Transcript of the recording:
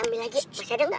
ambil lagi masih ada nggak